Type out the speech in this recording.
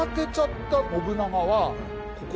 ここ。